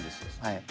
はい。